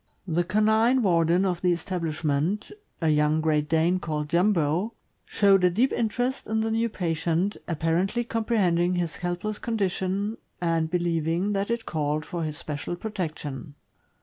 The canine warden of the establishment — a young Great Dane, called Jumbo — showed a deep interest in the new patient, apparently comprehending his helpless condition, and believing that it called for his special protection.